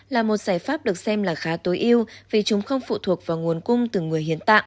là một giải pháp được xem là khá tối yêu vì chúng không phụ thuộc vào nguồn cung từ người hiến tạng